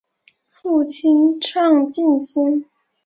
父亲畅敬先。